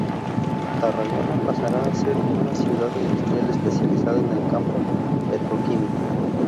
Tarragona pasará a ser una ciudad industrial especializada en el campo petroquímico.